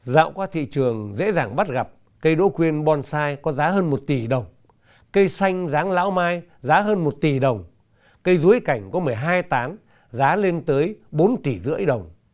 dạo qua thị trường dễ dàng bắt gặp cây đỗ quyên bonsai có giá hơn một tỷ đồng cây xanh dáng lão mai giá hơn một tỷ đồng cây dưới cảnh có một mươi hai táng giá lên tới bốn tỷ rưỡi đồng